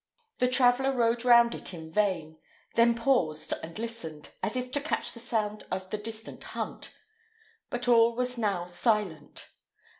The traveller rode round it in vain, then paused and listened, as if to catch the sound of the distant hunt; but all was now silent.